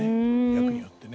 役によってね。